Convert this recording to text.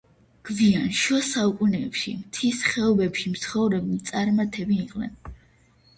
გვიან შუა საუკუნეებში მთის ხეობებში მცხოვრებნი წარმართები იყვნენ.